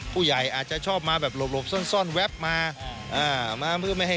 ผู้ใหญ่อาจจะชอบมาแบบหลบหลบส้นทรอดมาอ่ามาไม่ให้